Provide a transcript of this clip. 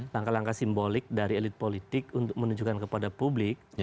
langkah langkah simbolik dari elit politik untuk menunjukkan kepada publik